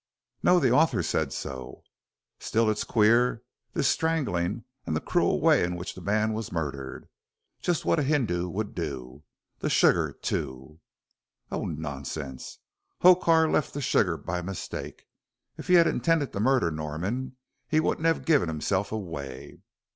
"No, the author says so. Still, it's queer, this strangling, and then the cruel way in which the man was murdered. Just what a Hindoo would do. The sugar too " "Oh, nonsense! Hokar left the sugar by mistake. If he had intended to murder Norman he wouldn't have given himself away."